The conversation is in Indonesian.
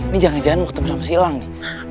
ini jangan jangan mau ketemu sama silang nih